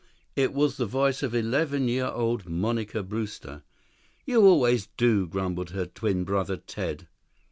It was the voice of eleven year old Monica Brewster. "You always do," grumbled her twin brother Ted.